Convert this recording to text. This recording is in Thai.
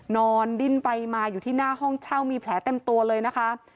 นอนดิ้นไปมาอยู่ที่หน้าห้องเช่ามีแผลเต็มตัวเลยนะคะ